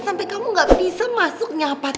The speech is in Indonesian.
sampai kamu gak bisa masuk nyapa tante